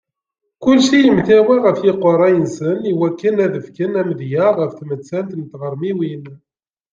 Kulci yemtawa ɣef yiqerra-nsen iwakken ad fken amedya ɣef tmettant n tɣermiwin.